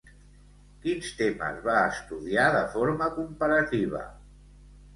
Quins temes va estudiar de forma comparativa?